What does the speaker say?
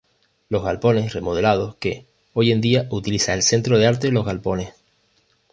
Los galpones remodelados que, hoy en día, utiliza el Centro de Arte Los Galpones.